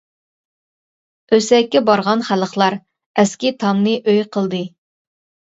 ئۆسەككە بارغان خەلقلەر، ئەسكى تامنى ئۆي قىلدى.